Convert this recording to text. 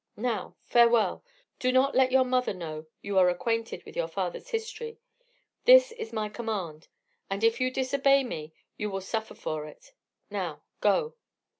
Now farewell! Do not let your mother know you are acquainted with your father's history; this is my command, and if you disobey me you will suffer for it. Now go."